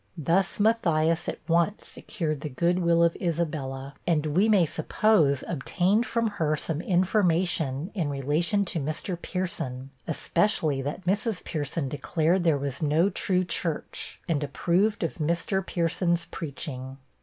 Thus Matthias at once secured the good will of Isabella, and we may supposed obtained from her some information in relation to Mr. Pierson, especially that Mrs. Pierson declared there was no true church, and approved of Mr. Pierson's preaching.